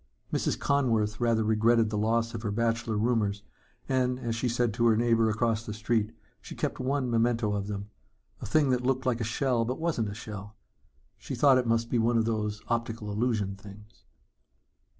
Mrs. Conworth rather regretted the loss of her bachelor roomers and, as she said to her neighbor across the street, she kept one memento of them a thing that looked like a shell but wasn't a shell. She thought it must be one of them optical illusion things.